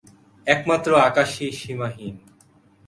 একমাত্র আকাশই সীমাহীন।